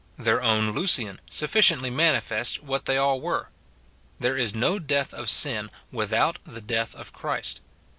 Their own Lucian sufiiciently manifests what they all were. There is no death of sin without the death of Christ.